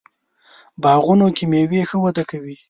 باغونو کې میوې ښه وده کوي.